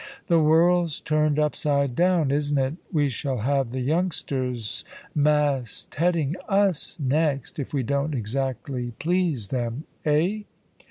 "The world's turned upside down, isn't it? We shall have the youngsters mast heading us next, if we don't exactly please them, eh?"